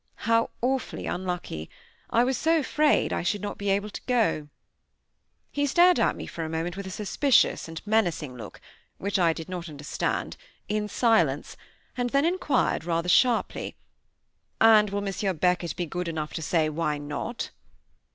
How awfully unlucky. I was so afraid I should not be able to go. He stared at me for a moment with a suspicious and menacing look, which I did not understand, in silence, and then inquired rather sharply. And will Monsieur Beckett be good enough to say why not?